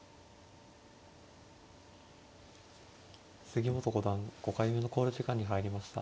杉本五段５回目の考慮時間に入りました。